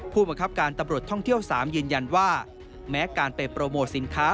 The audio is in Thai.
ผู้บังคับการตำรวจท่องเที่ยว๓ยืนยันว่าแม้การไปโปรโมทสินค้า